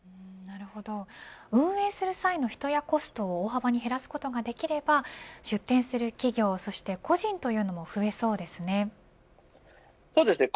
運営する際の人やコストを大幅に減らすことができれば出店する企業、そして個人というのも増えそうですね。